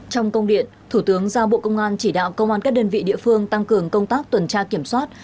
trong công điện thủ tướng giao bộ công an chỉ đạo công an các đơn vị địa phương tăng cường công tác tuần tra kiểm soát